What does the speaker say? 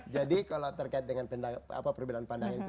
jadi kalau terkait dengan perbedaan pandangan itu